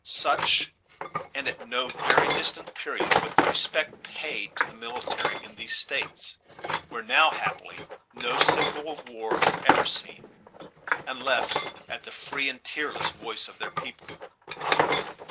Such, and at no very distant period, was the respect paid to the military in these States, where now, happily, no symbol of war is ever seen, unless at the free and tearless voice of their people.